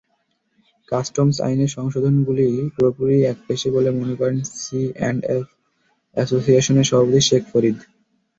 Customs আইনের সংশোধনীগুলো পুরোপুরি একপেশে বলে মনে করেন সিঅ্যান্ডএফ অ্যাসোসিয়েশনের সভাপতি শেখ ফরিদ।